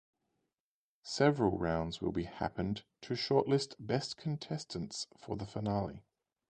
Several rounds will be happened to shortlist best contestants for the finale.